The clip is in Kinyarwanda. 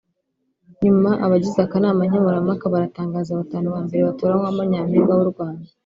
nyuma abagize akanama nkemurampaka baratangaza batanu ba mbere batoranywamo Nyampinga w’u Rwanda